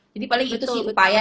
jadi paling itu sih upaya